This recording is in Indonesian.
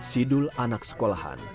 sidul anak sekolahan